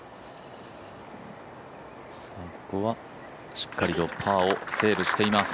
しっかりとパーをセーブしています。